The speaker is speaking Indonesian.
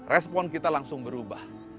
respon kita langsung berubah